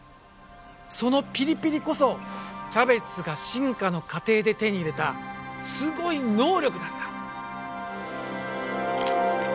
そのピリピリこそキャベツが進化の過程で手に入れたすごい能力なんだ。